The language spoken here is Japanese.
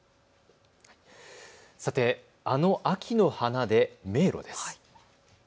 あの秋の花で迷路です。